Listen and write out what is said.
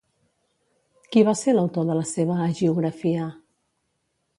Qui va ser l'autor de la seva hagiografia?